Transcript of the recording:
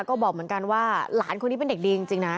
ก็บอกเหมือนกันว่าหลานคนนี้เป็นเด็กดีจริงนะ